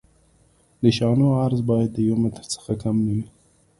د شانو عرض باید د یو متر څخه کم نه وي